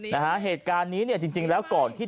น่าฮะเหตุการณ์นี้จริงแล้วก่อนที่